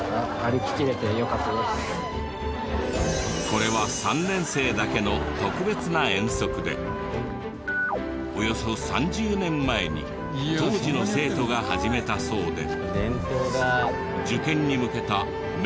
これは３年生だけの特別な遠足でおよそ３０年前に当時の生徒が始めたそうで。